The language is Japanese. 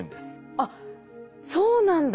あっそうなんだ。